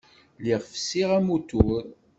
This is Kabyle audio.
Lliɣ fessiɣ amutur.